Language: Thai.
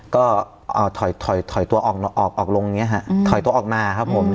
ก็ถอยตัวออกมา